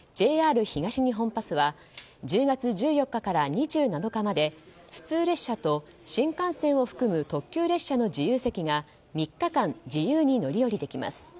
ＪＲ東日本パスは１０月１４日から２７日まで普通列車と新幹線を含む特急列車の自由席が３日間自由に乗り降りできます。